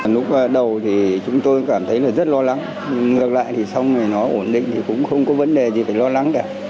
lúc đầu thì chúng tôi cảm thấy rất lo lắng ngược lại thì xong rồi nó ổn định thì cũng không có vấn đề gì phải lo lắng cả